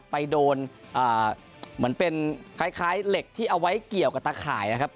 ไปโดนเหมือนเป็นคล้ายเหล็กที่เอาไว้เกี่ยวกับตะข่ายนะครับ